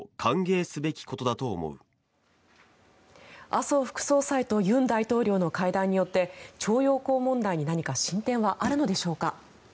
麻生副総裁と尹大統領の会談によって徴用工問題に何か進展はあるのでしょうか。